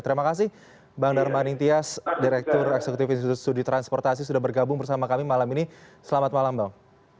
terima kasih bang darman intias direktur eksekutif institusi sudi transportasi sudah bergabung bersama kami malam ini selamat malam bang